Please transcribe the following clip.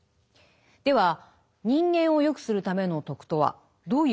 では人間を善くするための徳とはどういうものなのでしょうか？